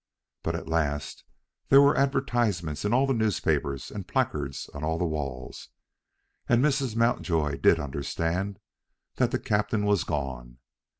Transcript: But at last there were advertisements in all the newspapers and placards on all the walls, and Mrs. Mountjoy did understand that the captain was gone.